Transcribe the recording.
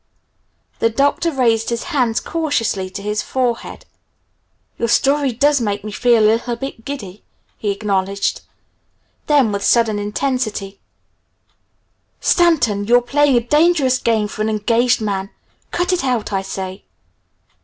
The Doctor raised his hands cautiously to his forehead. "Your story does make me feel a little bit giddy," he acknowledged. Then with sudden intensity, "Stanton, you're playing a dangerous game for an engaged man. Cut it out, I say!"